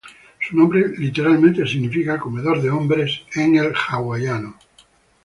Su nombre literalmente significa "comedor de hombres" en el idioma hawaiano.